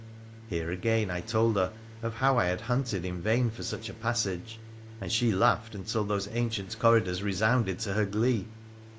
Here, again, I told her of how I had hunted in vain for such a passage, and she laughed until those ancient corridors resounded to her glee.